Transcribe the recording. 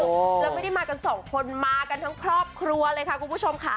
แล้วไม่ได้มากันสองคนมากันทั้งครอบครัวเลยค่ะคุณผู้ชมค่ะ